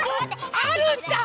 はるちゃん